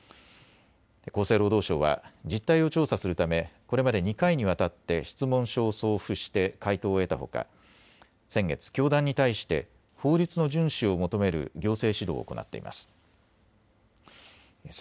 厚生労働省は実態を調査するためこれまで２回にわたって質問書を送付して回答を得たほか先月、教団に対して法律の順守を求める行政指導を行っています。